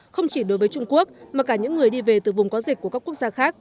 không chỉ đối với trung quốc mà cả những người đi về từ vùng có dịch của các quốc gia khác